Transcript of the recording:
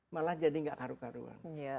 malah jadi gak karu karuan